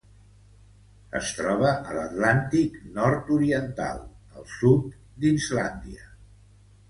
Es troba a l'Atlàntic nord-oriental: el sud d'Islàndia.